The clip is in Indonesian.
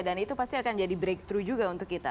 dan itu pasti akan jadi breakthrough juga untuk kita